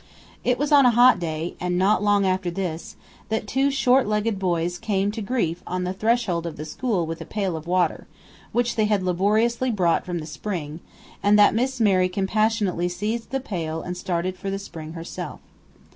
It was on a hot day and not long after this that two short legged boys came to grief on the threshold of the school with a pail of water, which they had laboriously brought from the spring, and that Miss Mary compassionately seized the pail and started for the spring herself.